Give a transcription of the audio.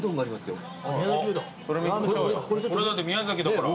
これだって宮崎だから。